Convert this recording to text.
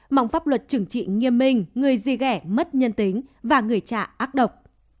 mong pháp luật chứng trị nghiêm minh người dì ghẻ mất nhân tính và người cha ác độc